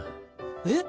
えっ？